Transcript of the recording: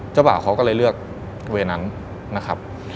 บ่าวเขาก็เลยเลือกเวย์นั้นนะครับ